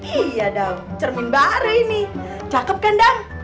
iya dong cermin baru ini cakep kan dong